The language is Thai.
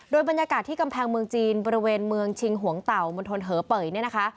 โดยบรรยากาศที่กำแพงเมืองจีนบริเวณเมืองชิงหวงเต่ามณฑลเหอเป่ยเนี่ยนะคะ